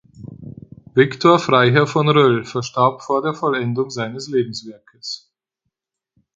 Victor Freiherr von Röll verstarb vor der Vollendung seines Lebenswerkes.